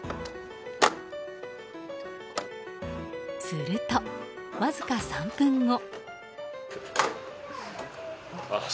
すると、わずか３分後。